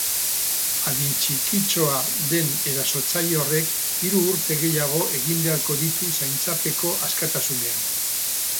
Adin txikitxoa den erasotzaile horrek hiru urte gehiago egin beharko ditu zaintzapeko askatasunean.